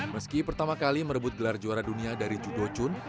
meski pertama kali merebut gelar juara dunia dari judo chun